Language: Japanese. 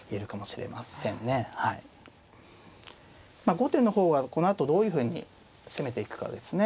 後手の方はこのあとどういうふうに攻めていくかですね。